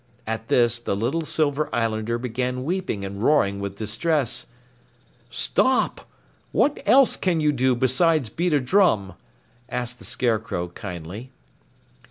At this, the little Silver Islander began weeping and roaring with distress. "Stop! What else can you do besides beat a drum?" asked the Scarecrow kindly.